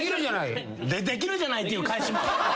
「できるじゃない」っていう返しも。